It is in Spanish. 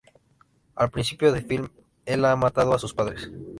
Al principio del filme, el ha "matado" a sus padres.